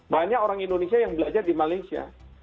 banyak orang indonesia yang belajar di malaysia